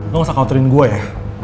lo ga usah counterin gue ya